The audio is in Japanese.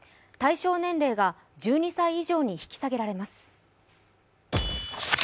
対象年齢が、１２歳以上に引き下げられます。